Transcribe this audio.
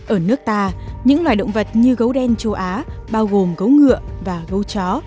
ở nước ta những loài động vật như gấu đen châu á bao gồm gấu ngựa và gấu chó